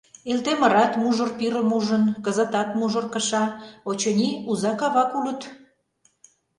— Элтемырат мужыр пирым ужын, кызытат мужыр кыша, очыни, узак-авак улыт.